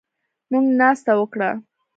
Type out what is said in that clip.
موږ ناسته وکړه